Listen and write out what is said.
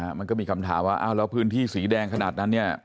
มันก็มีคำถามว่าอ้าวแล้วพื้นที่สีแดงขนาดนั้นเนี่ย